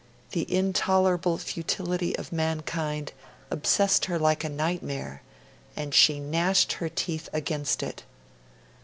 The intolerable futility of mankind obsessed her like a nightmare, and she gnashed her teeth against it.